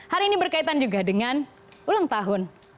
hari ini berkaitan juga dengan ulang tahun